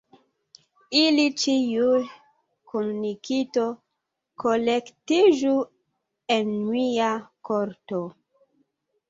Ili ĉiuj kun Nikito kolektiĝu en mia korto.